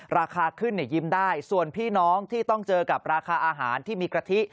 ราคาขึ้นเนี่ยยิ้มได้ส่วนพี่น้องที่ต้องเจอกับราคาอาหารที่มีกะทิ